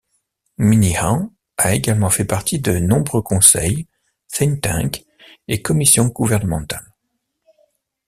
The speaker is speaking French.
Minihan a également fait partie de nombreux conseils, think tank et commissions gouvernementales.